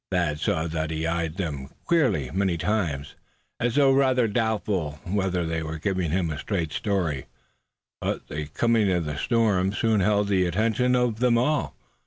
Thad saw that he eyed them queerly many times, as though rather doubtful whether they were giving him a straight story; but the coming of the storm soon held the attention of them all.